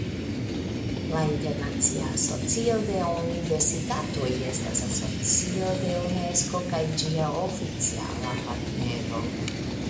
La Internacia Asocio de Universitatoj estas asocio de Unesko kaj ĝia oficiala partnero.